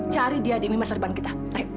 cari dia demi masa depan kita